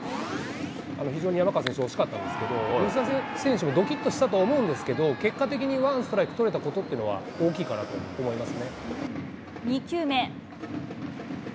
非常に山川選手、惜しかったんですけど、吉田選手もどきっとしたとは思うんですけれども、結果的にワンストライク取れたことというのは大きいかなと思いま